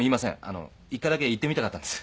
１回だけ言ってみたかったんです。